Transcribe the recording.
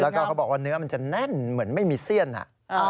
แล้วก็เขาบอกว่าเนื้อมันจะแน่นเหมือนไม่มีเสี้ยน